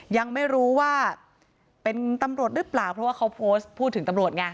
ยังไม่รู้ว่าเป็นตำรวจหรือเปล่าเพราะว่าเขาโพสต์พูดถึงตำรวจไง